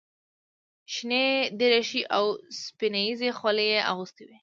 شنې دریشۍ او اوسپنیزې خولۍ یې اغوستې وې.